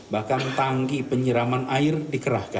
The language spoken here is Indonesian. bahkan tangki penyiraman air dikerahkan